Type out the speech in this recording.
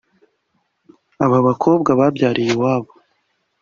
Aba bakobwa babyariye iwabo